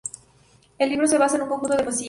El libro se basa en un conjunto de poesías.